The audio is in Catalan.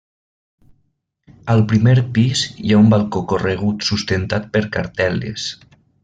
Al primer pis hi ha un balcó corregut sustentat per cartel·les.